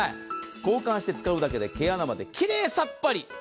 交換して使うだけで毛穴まできれいさっぱり！